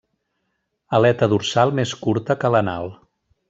Aleta dorsal més curta que l'anal.